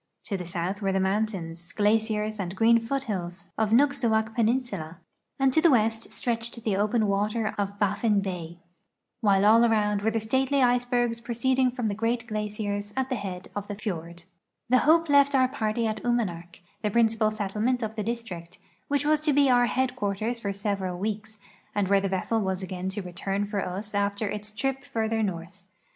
To the south were the mountains, glaciers, and green foothills of Nugsuak peninsula, and to the A SETTLEMENT ON UMANAK FIORD A S(MM/:n VOYAGE TO THE ARCTIC lo;] west stretched the open water of Balliii l)ay, while all around were the stately icol)ergs proceeding from the great glaciers at the head of the fiord. The Hope left our party at Unianak, the princijial settlement of the district, which was to be our headquarters for several weeks, and where the vessel was again to return for us after its trip further north.